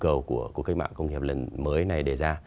cái nhu cầu của cuộc cách mạng công nghiệp lần mới này để ra